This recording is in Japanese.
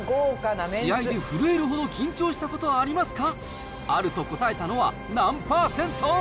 試合で震えるほど緊張したことはありますか？